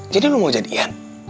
jadi lo mau jadian